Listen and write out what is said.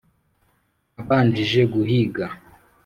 Abanjije guhiga